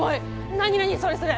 何何それそれ！